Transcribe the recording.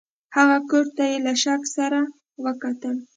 هغه کوټ ته یې له شک سره وکتل.